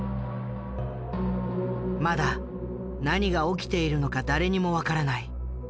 まだ何が起きているのか誰にも分からない。